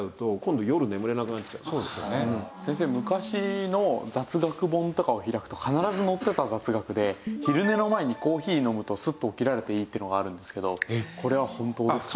先生昔の雑学本とかを開くと必ず載ってた雑学で昼寝の前にコーヒー飲むとスッと起きられていいっていうのがあるんですけどこれは本当ですか？